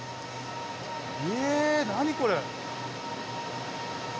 え何これ。